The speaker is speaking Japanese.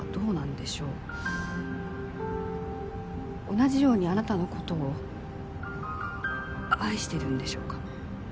同じようにあなたの事を愛してるんでしょうか？